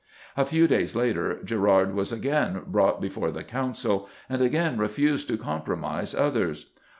A few days later Gerard was again brought before the Council, and again refused to compromise others.